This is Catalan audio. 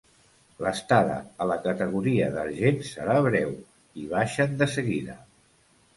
L'estada a la categoria d'argent serà breu, i baixen de seguida.